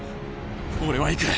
俺は行く。